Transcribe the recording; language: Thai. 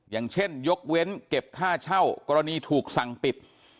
อย่างเช่นยกเว้นเก็บค่าเช่ากรณีถูกสั่งปิด